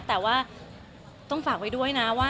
แต่ว่าต้องฝากไว้ด้วยนะว่า